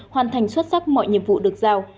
hoàn thành xuất sắc mọi nhiệm vụ được giao